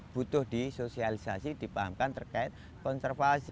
butuh disosialisasi dipahamkan terkait konservasi